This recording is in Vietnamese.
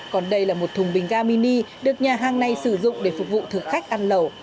còn đây là một thùng bình ga mini được nhà hàng này sử dụng để phục vụ thực khách ăn lẩu